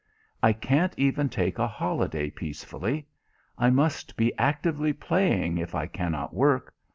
I can't even take a holiday peacefully. I must be actively playing if I cannot work.